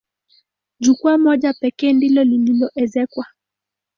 Jukwaa moja pekee ndilo lililoezekwa.